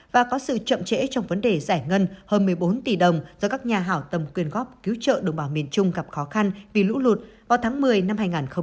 và có sự chậm trễ trong vấn đề giải ngân hơn một mươi bốn tỷ đồng do các nhà hảo tâm quyên góp cứu trợ đồng bào miền trung gặp khó khăn vì lũ lụt vào tháng một mươi năm hai nghìn một mươi chín